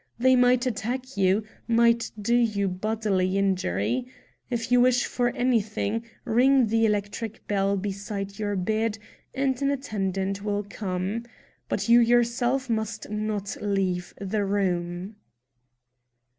They might attack you, might do you bodily injury. If you wish for anything, ring the electric bell beside your bed and an attendant will come. But you yourself must not leave the room."